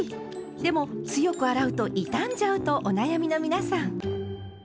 でも強く洗うと傷んじゃうとお悩みの皆さん。